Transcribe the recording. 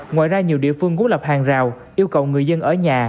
ngoài ra nhiều địa phương cũng lập hàng rào yêu cầu người dân ở nhà